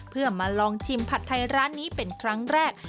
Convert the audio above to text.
เพื่อมาลองชิมผัดไทยร้านนี้เป็นครั้งแรก